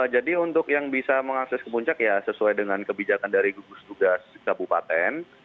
jadi untuk yang bisa mengakses ke puncak ya sesuai dengan kebijakan dari tugas kabupaten